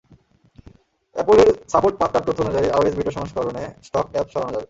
অ্যাপলের support পাতার তথ্য অনুযায়ী, আইওএস বিটা সংস্করণে স্টক অ্যাপস সরানো যাবে।